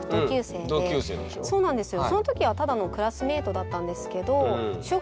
そうなんですよ。